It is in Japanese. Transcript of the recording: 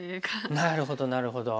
なるほどなるほど。